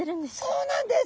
そうなんです！